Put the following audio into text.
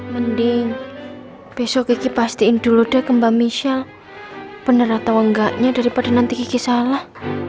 mending besok kiki pastiin dulu deh ke mbak michelle bener atau enggaknya daripada nanti kiki salah